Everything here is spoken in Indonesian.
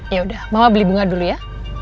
yaudah mama beli bunga dulu ya